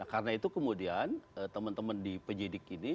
karena itu kemudian teman teman di penjidik ini